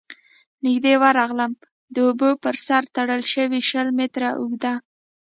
، نږدې ورغلم، د اوبو پر سر تړل شوی شل متره اوږد،